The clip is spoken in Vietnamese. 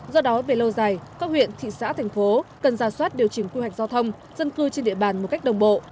do đó về lâu dài các huyện thị xã thành phố cần ra soát điều chỉnh quy hoạch giao thông dân cư trên địa bàn một cách đồng bộ